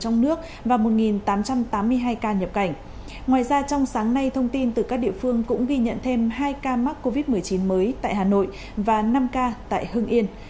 ngoài ra trong sáng nay thông tin từ các địa phương cũng ghi nhận thêm hai ca mắc covid một mươi chín mới tại hà nội và năm ca tại hưng yên